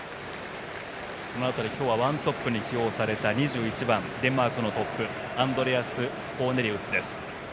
その辺り、今日はワントップに起用された２１番、デンマークのトップアンドレアス・コーネリウスです。